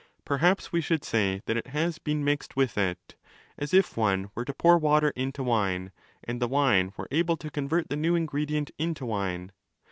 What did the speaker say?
Perhaps we should say that it has been 'mixed' with it, as if one were to pour water rointo wine and the wine were able to convert the new ingredient into wine.